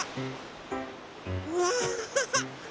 わハハハ！